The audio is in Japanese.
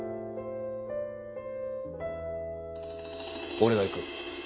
俺が行く。